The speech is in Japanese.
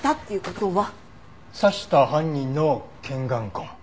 刺した犯人の拳眼痕。